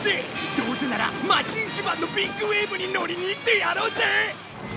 どうせなら町一番のビッグウェーブに乗りに行ってやろうぜ！